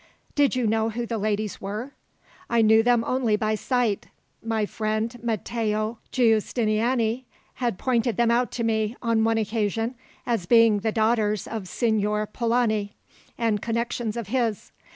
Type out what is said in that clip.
"Did you know who the ladies were?" "I knew them only by sight. My friend Matteo Giustiniani had pointed them out to me, on one occasion, as being the daughters of Signor Polani, and connections of his.